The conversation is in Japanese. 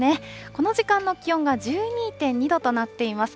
この時間の気温が１２．２度となっています。